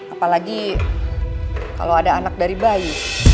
apalagi kalau ada anak dari bayi